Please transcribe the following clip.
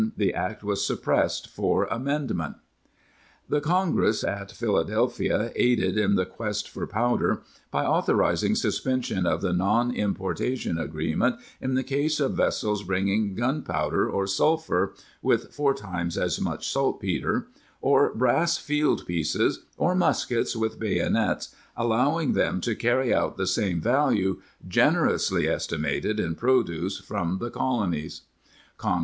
. the Act was suppressed for Amendment." ^ The Congress at Philadelphia aided in the quest for powder by authorizing suspension of the non importation agreement in the case of vessels bringing gunpowder or sulphur (with four times as much saltpetre), or brass field pieces, or muskets with bayonets, allowing them to carry out the same value, generously esti 1 Joseph Barrell to Joseph Green, November 3, 1775; in Boston in 1775 (Ford), p. 37.